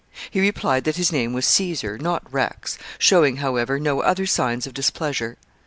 He replied that his name was Caesar, not Rex, showing, however, no other signs of displeasure.